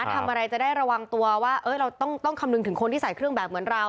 ทำอะไรจะได้ระวังตัวว่าเราต้องคำนึงถึงคนที่ใส่เครื่องแบบเหมือนเรา